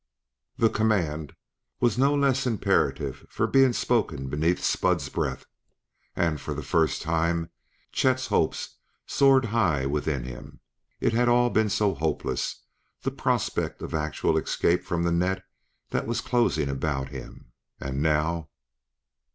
The command was no less imperative for being spoken beneath Spud's breath, and for the first time Chet's hopes soared high within him. It had all been so hopeless, the prospect of actual escape from the net that was closing about him. And now